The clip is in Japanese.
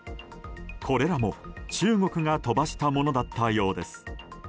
これらも中国が飛ばしたものだったようです。